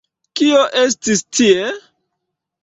Kio estis tie?